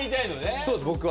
そうです、僕は。